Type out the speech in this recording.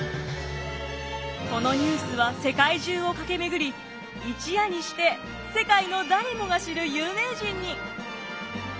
このニュースは世界中を駆け巡り一夜にして世界の誰もが知る有名人に。